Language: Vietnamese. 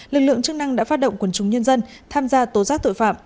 lực lượng chức năng đã phát động quần chúng nhân dân tham gia tố giác tội phạm